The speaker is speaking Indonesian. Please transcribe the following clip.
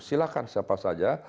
silahkan siapa saja